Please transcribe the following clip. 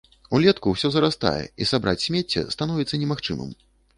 Улетку ўсё зарастае і сабраць смецце становіцца немагчымым.